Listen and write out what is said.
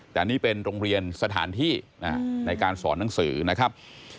แต่นี่เป็นโรงเรียนสถานที่ในการสอนหนังสือนะครับ